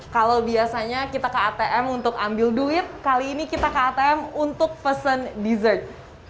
kalau biasanya kita ke atm untuk ambil duit kali ini kita ke atm untuk pesen dessert